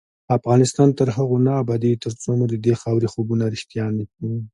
افغانستان تر هغو نه ابادیږي، ترڅو مو ددې خاورې خوبونه رښتیا نشي.